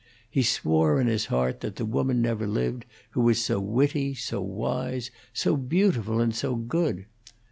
He swore in his heart that the woman never lived who was so witty, so wise, so beautiful, and so good.